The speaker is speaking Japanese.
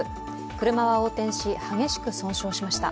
車は横転し、激しく損傷しました。